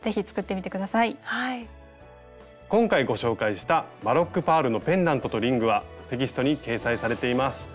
今回ご紹介した「バロックパールのペンダントとリング」はテキストに掲載されています。